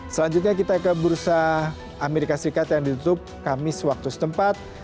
selanjutnya kita ke bursa amerika serikat yang ditutup kamis waktu setempat